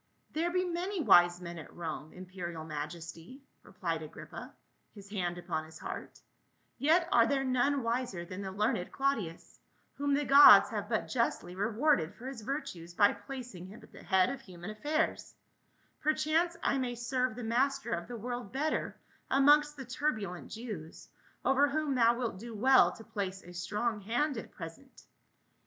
"There be many wise men at Rome, imperial maj esty," replied Agrippa, his hand upon his heart, "yet are there none wiser than the learned Claudius, whom the gods have but justly rewarded for his virtues by placing him at the head of human affairs ; perchance I may serve the master of the world better amongst the turbulent Jews, over whom thou wilt do well to place a strong hand at present."